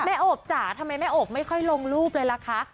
แม่โอบส์จ้าทำไมไม่ค่อยลงรูปเลยล่ะคะ